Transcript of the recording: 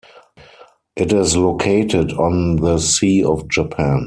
It is located on the Sea of Japan.